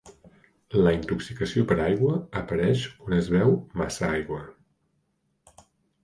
La intoxicació per aigua apareix quan es beu massa aigua.